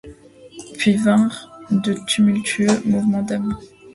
Puis vinrent de tumultueux mouvements d’âme.